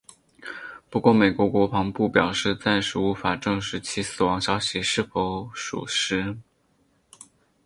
不过美国国防部表示暂时无法证实其死亡消息是否属实。